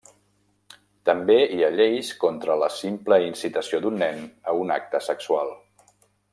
També hi ha lleis contra la simple incitació d'un nen a un acte sexual.